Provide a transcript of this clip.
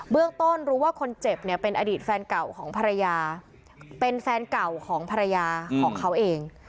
เรื่องต้นรู้ว่าคนเจ็บเนี่ยเป็นอดีตแฟนเก่าของภรรยาเป็นแฟนเก่าของภรรยาของเขาเอง